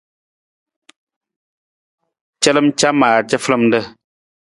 Calam camar cafalamar.